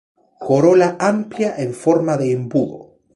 Corola amplia en forma de embudo.